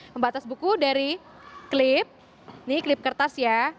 pembatas buku dari klip ini klip kertas ya